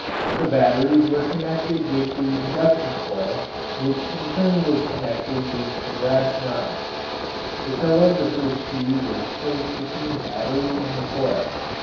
The batteries were connected with the induction coil, which in turn was connected with the brass knobs; the telegrapher's key was placed between the battery and the coil.